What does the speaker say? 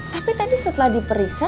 tapi tadi setelah diperiksa